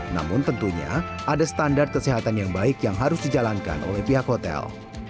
namun tentunya ada standar kesehatan yang baik yang harus dijalankan oleh pihak hotel